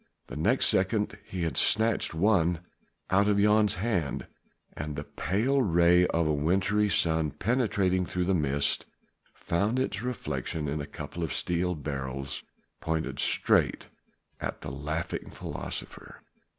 The next second he had snatched one out of Jan's hand, and the pale ray of a wintry sun penetrating through the mist found its reflection in a couple of steel barrels pointed straight at a laughing philosopher.